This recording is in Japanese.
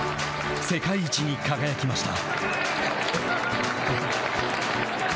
世界一に輝きました。